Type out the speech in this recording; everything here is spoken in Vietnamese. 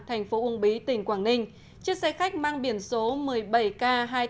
thành phố úng bí tỉnh quảng ninh chiếc xe khách mang biển số một mươi bảy k hai nghìn tám trăm sáu mươi chín